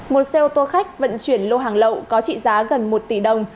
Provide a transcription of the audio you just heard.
một xe ô tô khách vận chuyển lô hàng lậu có trị giá gần một tỷ đồng